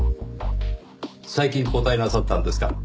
最近交代なさったんですか？